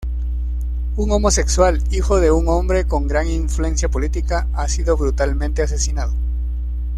Un homosexual, hijo de un hombre con gran influencia política, ha sido brutalmente asesinado.